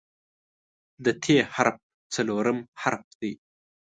د "ت" حرف څلورم حرف دی.